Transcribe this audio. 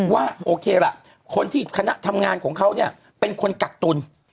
ว่าโอเคล่ะคนที่คณะทำงานของเขาเนี่ยเป็นคนกักตุล